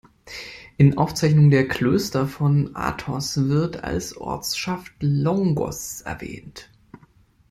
In Aufzeichnung der Klöster von Athos wird als Ortschaft "Longos" erwähnt.